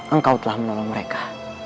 engkau telah menolong mereka